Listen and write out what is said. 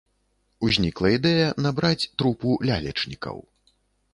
Узнікла ідэя набраць трупу лялечнікаў.